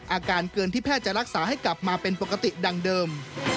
อาการเกินที่แพทย์จะรักษาให้กลับมาเป็นปกติดังเดิม